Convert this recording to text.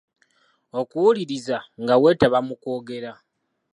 Okuwuliriza nga weetaba mu kwogera.